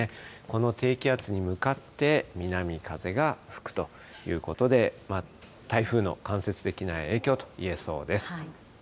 この低気圧に向かって南風が吹くということで、台風の間接的な影響といえそうです。